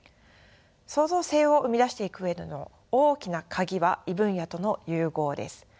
創造性を生み出していく上での大きな鍵は異分野との融合です。